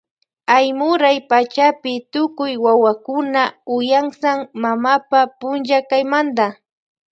Aymuray pachapi tukuy wawakuna uyansan mamapa punlla kaymanta.